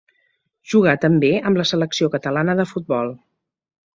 Jugà també amb la selecció catalana de futbol.